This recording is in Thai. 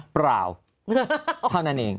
เปล่าเท่านั้นเอง